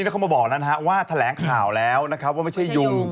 นี่เขามาบอกนะครับว่าแถลงข่าวแล้วนะครับว่าไม่ใช่ยุง